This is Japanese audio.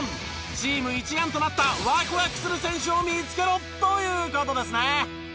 チーム一丸となったワクワクする選手を見付けろという事ですね。